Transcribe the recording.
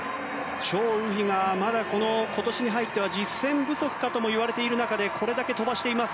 チョウ・ウヒがまだ今年に入っては実戦不足かともいわれている中でこれだけ飛ばしています。